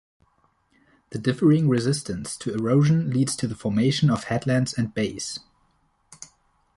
The differing resistance to erosion leads to the formation of headlands and bays.